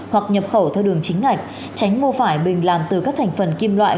hoặc nhập khẩu theo đường chính ngạch tránh mua phải bình làm từ các thành phần kim loại